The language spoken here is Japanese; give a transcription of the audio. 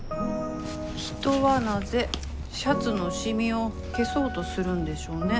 人はなぜシャツの染みを消そうとするんでしょうね。